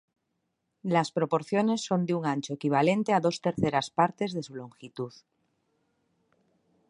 Las proporciones son de un ancho equivalente a dos terceras partes de su longitud.